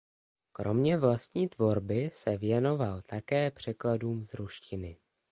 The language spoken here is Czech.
Kromě vlastní tvorby se věnoval také překladům z ruštiny.